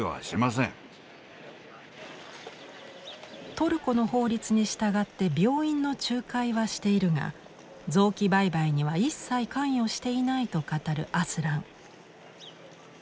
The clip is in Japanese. トルコの法律に従って病院の仲介はしているが臓器売買には一切関与していないと語るアスラン。